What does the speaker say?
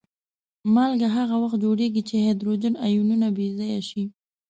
مالګه هغه وخت جوړیږي چې هایدروجن آیونونه بې ځایه شي.